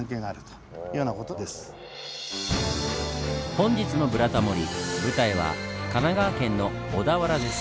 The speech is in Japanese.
本日の「ブラタモリ」舞台は神奈川県の小田原です。